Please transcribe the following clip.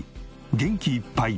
元気いっぱい！